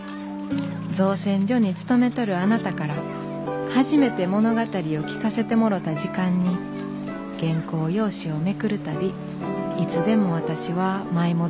造船所に勤めとるあなたから初めて物語を聞かせてもろた時間に原稿用紙をめくる度いつでも私は舞い戻ることができるんです」。